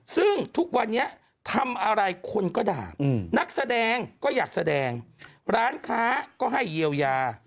ซึ่งทุกวันนี้ทำอะไรคนก็ด่านักแสดงก็อยากแสดงร้านค้าก็ให้เยียวยา